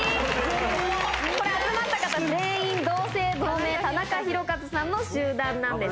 これ、集まった方、全員、同姓同名、タナカヒロカズさんの集団なんです。